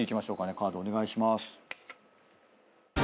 カードお願いします。